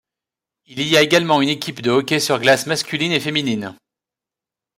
Il y a également une équipe de hockey sur glace masculine et féminine.